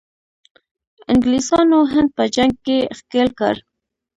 انګلیسانو هند په جنګ کې ښکیل کړ.